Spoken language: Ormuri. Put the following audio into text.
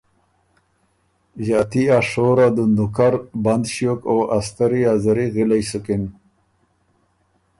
ݫاتی ا شور ا دُندُوکر بند ݭیوک ا ستری ا زری غِلئ سُکِن